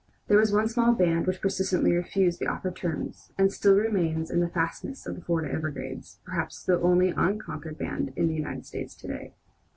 There was one small band which persistently refused the offered terms, and still remains in the fastnesses of the Florida Everglades, perhaps the only unconquered band in the United States to day.